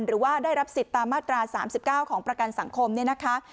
หรือว่าได้รับสิทธิ์ตามมาตรา๓๙ของประกันสังคมเนี่ยนะคะ